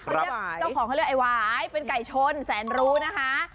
เจ้าของเขาเรียกว่าไหว้เป็นไก่ชนแสนรู้นะคะ